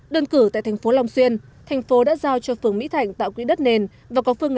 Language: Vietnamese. đơn cử tại thành phố long xuyên thành phố đã giao cho phường mỹ thạnh tạo quỹ đất nền và có phương